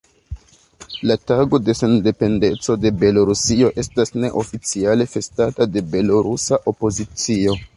La tago de sendependeco de Belorusio estas neoficiale festata de belorusa opozicio.